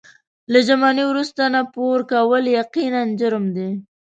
له ژمنې وروسته نه پوره کول یقیناً جرم دی.